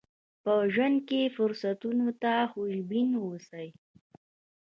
په ژوند کې فرصتونو ته خوشبين اوسئ.